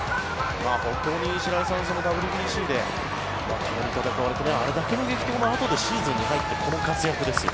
本当に白井さんＷＢＣでともに戦われてあれだけの激闘のあとでシーズンに入ってこの活躍ですよ。